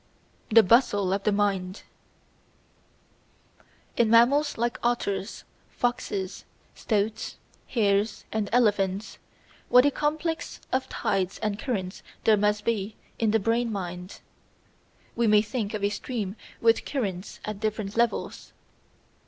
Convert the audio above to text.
The Bustle of the Mind In mammals like otters, foxes, stoats, hares, and elephants, what a complex of tides and currents there must be in the brain mind! We may think of a stream with currents at different levels.